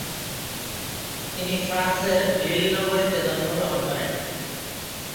তিনি ফ্রান্সের লিল নগরীতে জন্মগ্রহণ করেন।